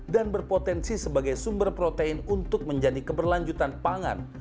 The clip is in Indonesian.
dan berpotensi sebagai sumber protein untuk menjadi keberlanjutan pangan